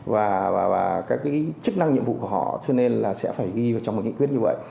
và các cái chức năng nhiệm vụ của họ cho nên là sẽ phải ghi vào trong một nghị quyết như vậy